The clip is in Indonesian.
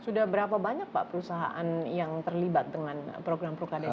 sudah berapa banyak perusahaan yang terlibat dengan program procades